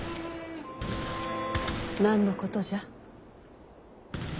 何のことじゃ？